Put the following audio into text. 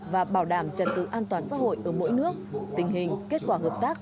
và bảo đảm trật tự an toàn xã hội ở mỗi nước tình hình kết quả hợp tác